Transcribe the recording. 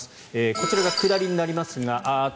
こちらが下りになりますが。